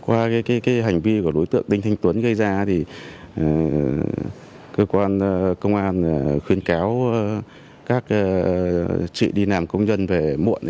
qua hành vi của đối tượng đinh thanh tuấn gây ra cơ quan công an khuyên kéo các chị đi nàm công dân về muộn